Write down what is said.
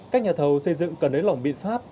các nhà thầu xây dựng cần nới lỏng biện pháp